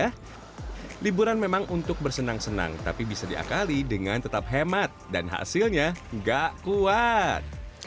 ya liburan memang untuk bersenang senang tapi bisa diakali dengan tetap hemat dan hasilnya nggak kuat